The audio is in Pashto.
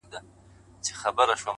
کوټي ته درځمه گراني،